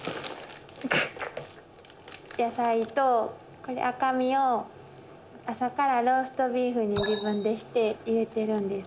野菜とこれ赤身を朝からローストビーフに自分でして入れてるんです。